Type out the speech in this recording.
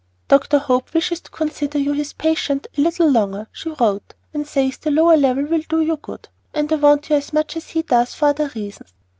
"Dr. Hope wishes to consider you his patient a little longer," she wrote, "and says the lower level will do you good; and I want you as much as he does for other reasons.